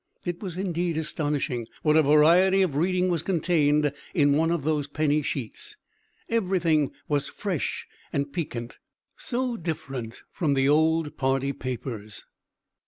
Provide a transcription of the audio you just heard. It was indeed astonishing what a variety of reading was contained in one of those penny sheets; every thing was fresh and piquant, so different from the old party papers.